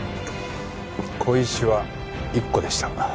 小石は１個でした。